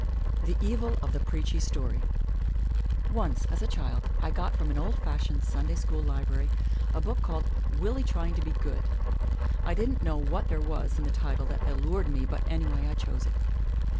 THE EVIL OF THE PREACHY STORY NCE, as a child, I got from an old fashioned Sunday School library a book called Willie Trying to Be Good — I don't know what there was in the title that allured me, but anyway I chose it.